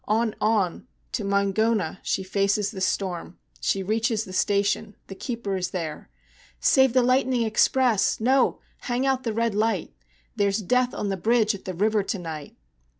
On, on to Moingona! she faces the storm, She reaches the station the keeper is there, "Save the lightning express! No hang out the red light! There's death on the bridge at the river to night!"